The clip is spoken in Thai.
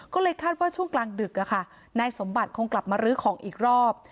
ก็เลยคาดว่าช่วงกลางดึกนายสมบัติคงกลับมาลื้อของอีกรอบ